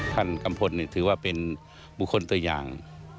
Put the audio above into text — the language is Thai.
กัมพลถือว่าเป็นบุคคลตัวอย่าง